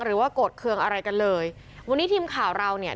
หรือว่ากดเครื่องอะไรกันเลยวันนี้ทีมข่าวเราเนี่ย